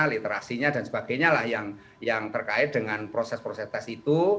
literasinya dan sebagainya lah yang terkait dengan proses proses tes itu